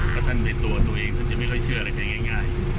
เพราะท่านในตัวหนูเองท่านจะไม่ค่อยเชื่ออะไรกันง่าย